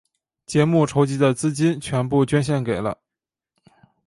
节目筹集的资金全部捐献给了。